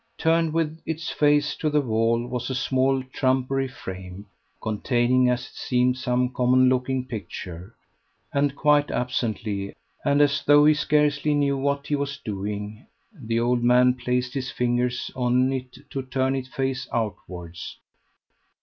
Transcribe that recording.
Turned with its face to the wall was a small trumpery frame, containing as it seemed some common looking picture; and quite absently, and as though he scarcely knew what he was doing, the old man placed his fingers on it to turn it face outwards.